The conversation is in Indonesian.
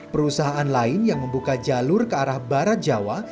perusahaan lain yang membuka jalur ke arah barat jawa